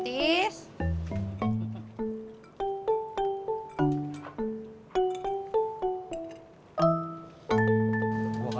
terima pesanan kue